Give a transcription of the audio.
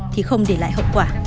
thì không để lại hậu quả